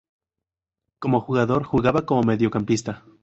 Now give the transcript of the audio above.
Como jugador, jugaba como mediocampista.